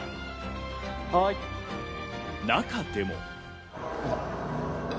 中でも。